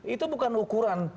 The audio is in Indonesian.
itu bukan ukuran